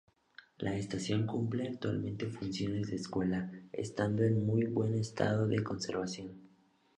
La estación cumple actualmente funciones de escuela, estando en muy buen estado de conservación.